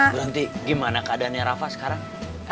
ibu ranti bagaimana keadaannya rafa sekarang